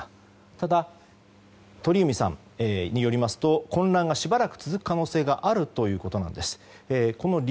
ただ鳥海さんによりますと混乱がしばらく続く可能性があるということなんです。